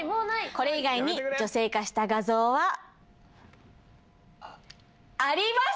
これ以外に女性化した画像は。あります。